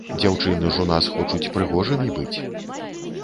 Дзяўчыны ж у нас хочуць прыгожымі быць.